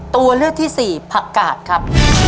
ตัวเลือกที่สี่ผักกาดครับ